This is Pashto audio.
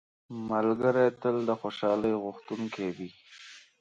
ملګری تل د خوشحالۍ غوښتونکی وي